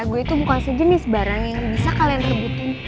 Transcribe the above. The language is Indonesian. gue itu bukan sejenis barang yang bisa kalian rebutin